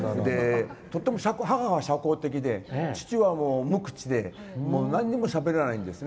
とても母は社交的で父は無口で何もしゃべらないんです。